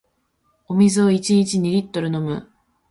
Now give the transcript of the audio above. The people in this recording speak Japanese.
お水を一日二リットル飲む